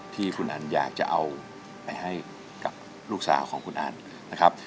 ที่คุณอันอยากจะเอาไปให้กับลูกสาวของคุณอันนะครับ